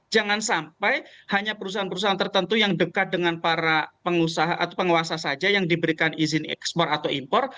jangan sampai hanya perusahaan perusahaan tertentu yang dekat dengan para pengusaha atau penguasa saja yang diberikan izin ekspor atau impor